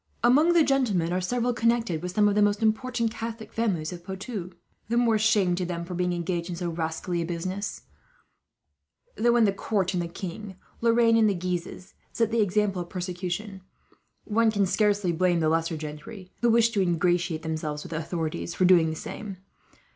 "Among the gentlemen are several connected with some of the most important Catholic families of Poitou. The more shame to them, for being engaged in so rascally a business; though when the court and the king, Lorraine and the Guises, set the example of persecution, one can scarcely blame the lesser gentry, who wish to ingratiate themselves with the authorities, for doing the same.